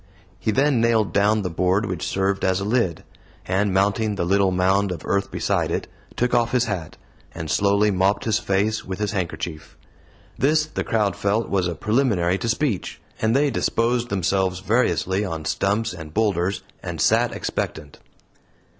He then nailed down the board which served as a lid; and mounting the little mound of earth beside it, took off his hat, and slowly mopped his face with his handkerchief. This the crowd felt was a preliminary to speech; and they disposed themselves variously on stumps and boulders, and sat expectant.